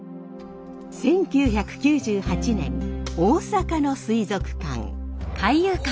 １９９８年大阪の水族館。